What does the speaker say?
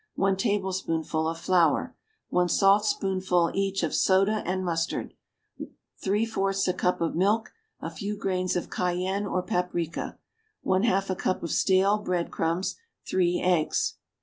1 tablespoonful of flour. 1 saltspoonful, each, of soda and mustard. 3/4 a cup of milk. A few grains of cayenne or paprica. 1/2 a cup of stale bread crumbs. 3 eggs.